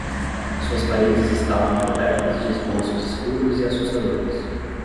Suas paredes estavam cobertas de esboços escuros e assustadores.